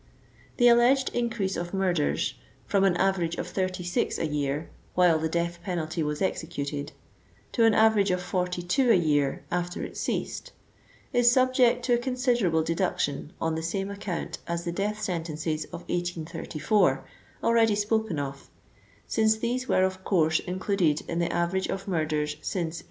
The alleged increase of murders, from an average of 36 a year while the death penalty was executed, to an average of 42 a year after it ceased, is subject to a considerable deduction on the same account as the death sentences of 1 884, already spoken of, since these were of course included in the average of mur ders since 1831.